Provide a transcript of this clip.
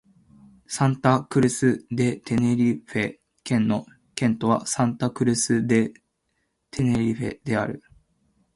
サンタ・クルス・デ・テネリフェ県の県都はサンタ・クルス・デ・テネリフェである